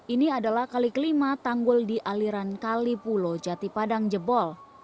ini adalah kali kelima tanggul di aliran kali pulo jati padang jebol